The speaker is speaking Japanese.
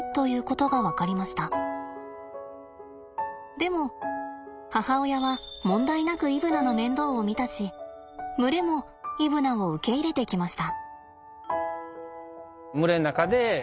でも母親は問題なくイブナの面倒を見たし群れもイブナを受け入れてきました。